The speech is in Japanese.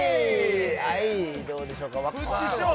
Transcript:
はいどうでしょうか？